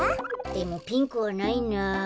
でもピンクはないな。